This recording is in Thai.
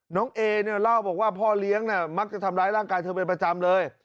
เอเนี่ยเล่าบอกว่าพ่อเลี้ยงมักจะทำร้ายร่างกายเธอเป็นประจำเลย